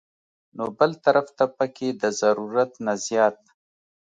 نو بل طرف ته پکښې د ضرورت نه زيات